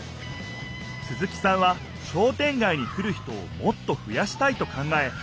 鈴木さんは商店街に来る人をもっとふやしたいと考え